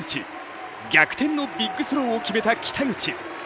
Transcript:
逆転のビッグスローを決めた北口。